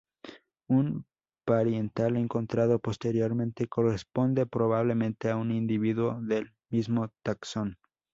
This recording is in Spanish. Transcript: Un parietal encontrado posteriormente, corresponde probablemente a un individuo del mismo taxón.